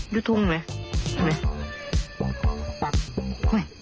ดูทุ่งหน่อย